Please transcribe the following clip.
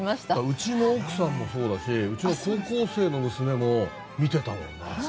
うちの奥さんもそうだしうちの高校生の娘も見てたの。